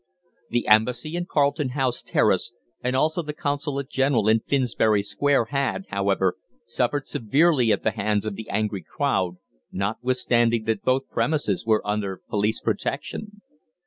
The Embassy in Carlton House Terrace, and also the Consulate General in Finsbury Square, had, however, suffered severely at the hands of the angry crowd, notwithstanding that both premises were under police protection.